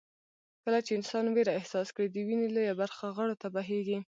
کله چې انسان وېره احساس کړي د وينې لويه برخه غړو ته بهېږي.